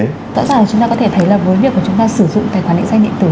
rõ ràng chúng ta có thể thấy là với việc mà chúng ta sử dụng tài khoản định danh điện tử